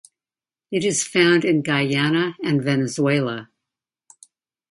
It is found in Guyana and Venezuela.